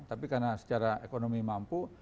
tapi karena secara ekonomi mampu